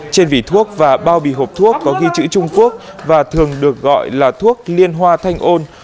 trên vỉ thuốc và bao bì hộp thuốc có ghi chữ trung quốc và thường được gọi là thuốc liên hoa thanh ôn